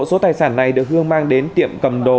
số tài sản này được hương mang đến tiệm cầm đồ